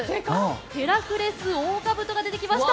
ヘラクレスオオカブトが出てきました。